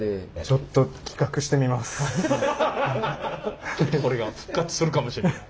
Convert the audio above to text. ちょっとこれが復活するかもしれない。